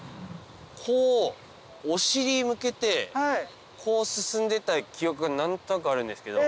こうお尻向けてこう進んでった記憶が何となくあるんですけど。